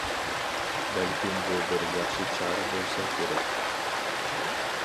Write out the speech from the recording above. بەلكىم بۇ بىر ياخشى چارە بولسا كېرەك.